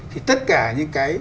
thì tất cả những cái